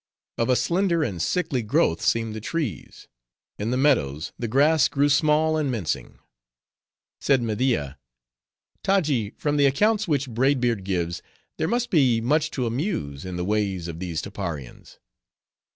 Of a slender and sickly growth seemed the trees; in the meadows, the grass grew small and mincing. Said Media, "Taji, from the accounts which Braid Beard gives, there must be much to amuse, in the ways of these Tapparians."